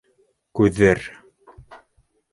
— Күҙҙер.